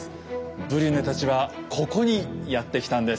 ブリュネたちはここにやって来たんです。